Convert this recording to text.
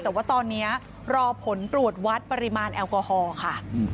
แต่ว่าตอนนี้รอผลตรวจวัดปริมาณแอลกอฮอล์ค่ะ